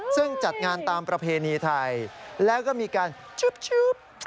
ซึ่งจัดงานตามประเพณีไทยแล้วก็มีการชึบ